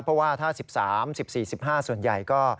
เพราะว่าถ้า๑๓๑๔๑๕ส่วนใหญ่ก็